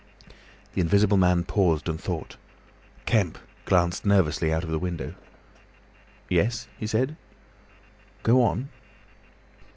The Invisible Man paused and thought. Kemp glanced nervously out of the window. "Yes?" he said. "Go on."